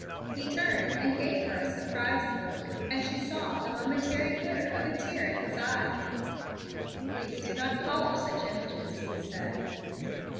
He turned and gave her a surprised look, and she saw the momentary glitter of a tear in his eye. "Please do not call up such images," he said.